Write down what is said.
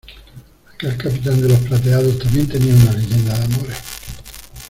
aquel capitán de los plateados también tenía una leyenda de amores.